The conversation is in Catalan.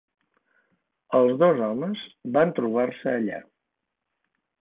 Els dos homes van trobar-se allà.